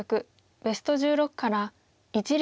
ベスト１６から一力